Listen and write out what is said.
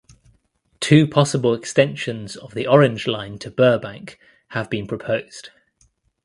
Two possible extensions of the Orange Line to Burbank have been proposed.